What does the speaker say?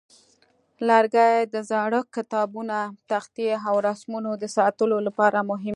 لرګي د زاړه کتابتونه، تختې، او رسمونو د ساتلو لپاره مهم دي.